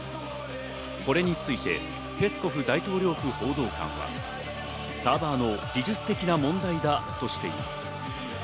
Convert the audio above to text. これについてペスコフ大統領府報道官はサーバーの技術的な問題だとしています。